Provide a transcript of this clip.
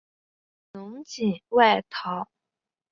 侬锦外逃。